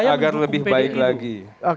agar lebih baik lagi